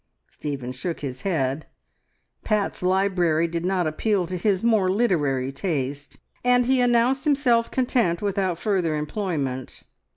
Stephen shook his head. Pat's library did not appeal to his more literary taste, and he announced himself content without further employment.